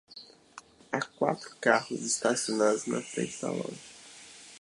Há quatro carros estacionados na frente da loja.